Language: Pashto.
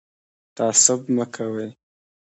تعصب مه کوئ